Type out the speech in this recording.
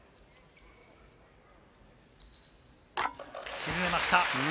沈めました。